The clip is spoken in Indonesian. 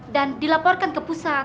dan dilaporkan ke pusat